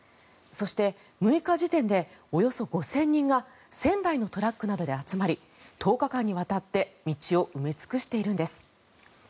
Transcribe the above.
そして、６日時点でおよそ５０００人が１０００台のトラックなどで集まり、１０日間にわたって道を埋め尽くしているんです。